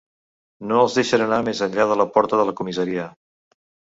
No els deixen anar més enllà de la porta de la comissaria.